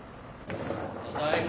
ただいま。